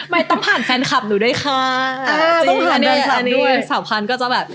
ไม่ต้องผ่านแฟนคลับหนูด้วยค่ะ